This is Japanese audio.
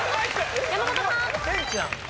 山本さん。